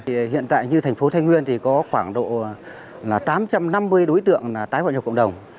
thì hiện tại như thành phố thái nguyên thì có khoảng độ là tám trăm năm mươi đối tượng tái hoạt nhập cộng đồng